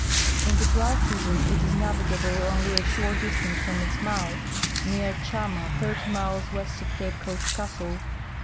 In the dry season it is navigable only a short distance from its mouth, near Chama, 30 miles west of Ca})e Coast Oastle.